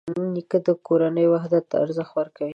نیکه د کورنۍ وحدت ته ارزښت ورکوي.